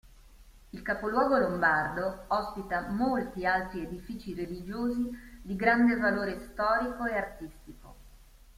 Il capoluogo lombardo ospita molti altri edifici religiosi di grande valore storico e artistico.